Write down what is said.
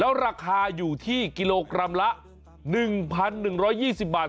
แล้วราคาอยู่ที่กิโลกรัมละ๑๑๒๐บาท